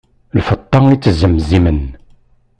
Lfeṭṭa ittzemzimen.